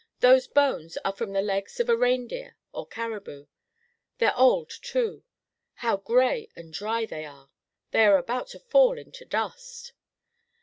Those bones are from the legs of a reindeer or caribou. They're old, too. How gray and dry they are! They are about to fall into dust."